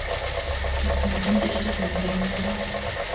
bituma undi ajya kumusaba imbabazi